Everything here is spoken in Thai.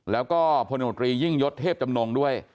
แล้วก็พลยกเซพจำนงด้วย